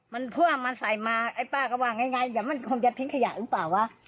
มันพ่วงมาใส่มาป้าก็ว่าไงอย่างนี้มันที่ผิงขยะหรือเปล่าวะ